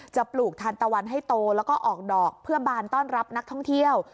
ปลูกทานตะวันให้โตแล้วก็ออกดอกเพื่อบานต้อนรับนักท่องเที่ยว